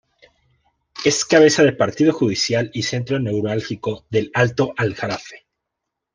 Es cabeza de partido judicial y centro neurálgico del alto Aljarafe.